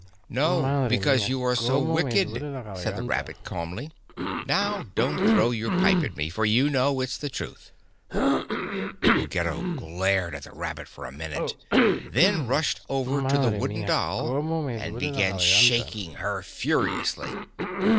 "No, because you are so wicked," said the rabbit calmly. "Now, don't throw your pipe at me, for you know it's the truth." Ruggedo glared at the rabbit for a minute, then rushed over to the wooden doll, and began shaking her furiously.